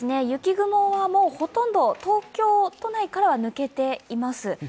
雪雲は、もうほとんど東京都内からは抜けています。